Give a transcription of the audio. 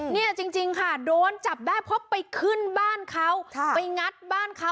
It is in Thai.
เนี่ยจริงค่ะโดนจับได้เพราะไปขึ้นบ้านเขาไปงัดบ้านเขา